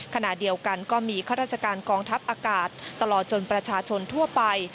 ขณะเดียวกันก็มีข้าราชการกองทัพอากาศตลอดจนประชาชนทั่วไป